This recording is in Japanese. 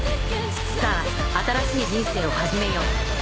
さぁ新しい人生を始めよう。